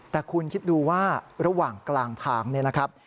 แต่คุณคิดดูว่าระหว่างกลางทางเนี่ยนะครับ